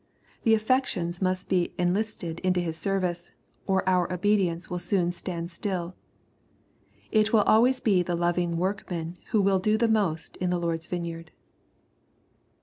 The affections must be enlisted into His service, or our obedience will soon stand still. It will always be the loving workman who will do most in the Lord's vineyard.